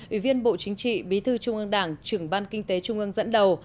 ủy viên bộ chính trị bí thư trung ương đảng trưởng ban kinh tế trung ương dẫn đầu